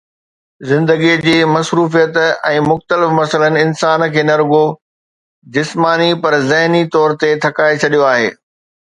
زندگيءَ جي مصروفيت ۽ مختلف مسئلن انسان کي نه رڳو جسماني پر ذهني طور به ٿڪائي ڇڏيو آهي